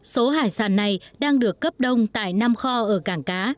số hải sản này đang được cấp đông tại năm kho ở cảng cá